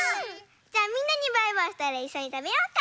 じゃあみんなにバイバイしたらいっしょにたべようか！